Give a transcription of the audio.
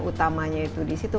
utamanya itu di situ